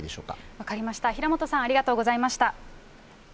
分かりました、平本さん、ありがとうございました。